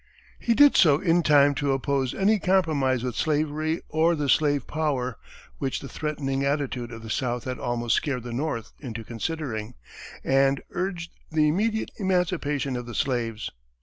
He did so in time to oppose any compromise with slavery or the slave power, which the threatening attitude of the South had almost scared the North into considering, and urged the immediate emancipation of the slaves.